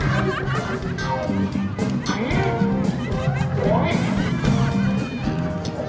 ทำให้พ่อจริงนี่เย็นหน่อยนะ